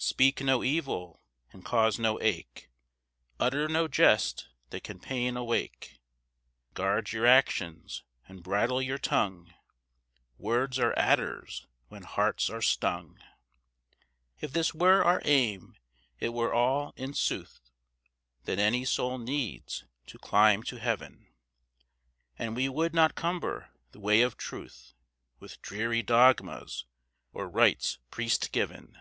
Speak no evil, and cause no ache, Utter no jest that can pain awake; Guard your actions and bridle your tongue, Words are adders when hearts are stung. If this were our aim, it were all, in sooth, That any soul needs, to climb to heaven, And we would not cumber the way of truth With dreary dogmas, or rites priest given.